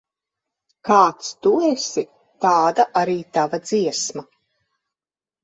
Kāds tu esi, tāda arī tava dziesma.